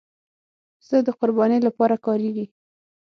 پسه د قربانۍ لپاره کارېږي.